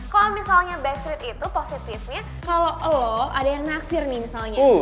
kalau misalnya backstreet itu positifnya kalau lo ada yang naksir nih misalnya